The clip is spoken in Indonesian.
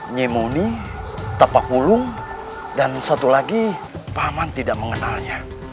nyemuni tapakulung dan satu lagi paman tidak mengenalnya